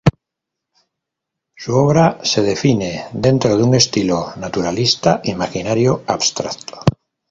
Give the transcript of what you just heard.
Su obra se define dentro de un estilo naturalista imaginario abstracto.